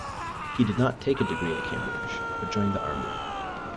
He did not take a degree at Cambridge, but joined the Army.